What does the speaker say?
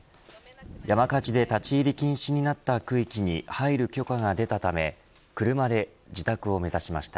山火事で立ち入り禁止になった区域に入る許可が出たため車で自宅を目指しました。